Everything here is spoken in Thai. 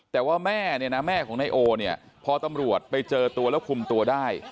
แต่ว่าแม่เนี่ยนะแม่ของนายโอเนี่ยพอตำรวจไปเจอตัวแล้วคุมตัวได้